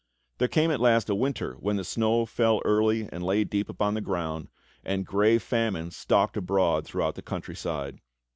There came at last a winter when the snow fell early and lay deep upon the ground, and grey Famine stalked abroad throughout the country side.